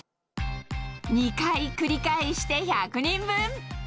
２回繰り返して１００人分。